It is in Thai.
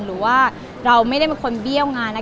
หรือว่าเราไม่ได้เป็นคนเบี้ยวงานนะคะ